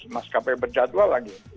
maskapai berjadwal lagi